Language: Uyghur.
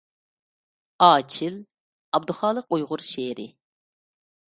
«ئاچىل» — ئابدۇخالىق ئۇيغۇر شېئىرى.